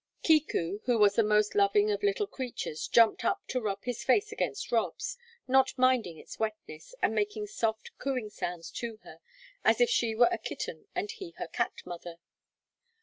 Kiku, who was the most loving of little creatures, jumped up to rub his face against Rob's, not minding its wetness, and making soft, cooing sounds to her as if she were a kitten and he her cat mother.